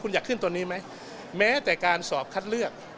คุณอยากขึ้นตัวนี้ไหมแม้แต่การสอบคัดเลือก